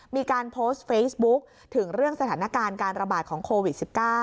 มีการโพสต์เฟซบุ๊กถึงเรื่องสถานการณ์การระบาดของโควิด๑๙